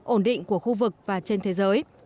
ổn định của khu vực và trên thế giới